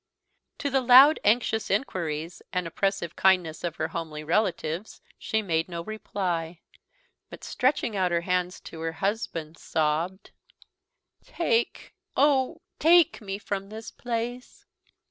To the loud, anxious inquiries, and oppressive kindness of her homely relatives, she made no reply; but, stretching out her hands to her husband sobbed, "Take, oh, take me from this place!"